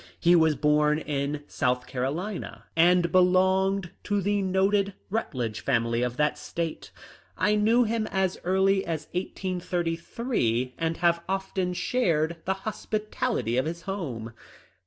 He was born in South Carolina and belonged to the noted Rut ledge family of that State. I knew him as early as 1833, and have often shared the hospitality of his home.